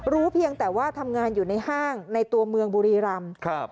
เพียงแต่ว่าทำงานอยู่ในห้างในตัวเมืองบุรีรำ